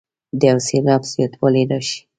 د یو سېلاب زیاتوالی راشي.